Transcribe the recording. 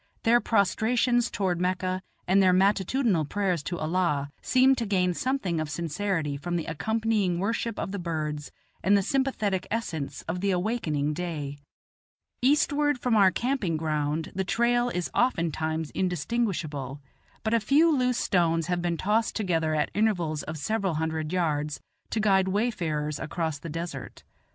Their prostrations toward Mecca and their matutinal prayers to Allah seem to gain something of sincerity from the accompanying worship of the birds and the sympathetic essence of the awakening day. Eastward from our camping ground the trail is oftentimes indistinguishable; but a few loose stones have been tossed together at intervals of several hundred yards, to guide wayfarers across the desert.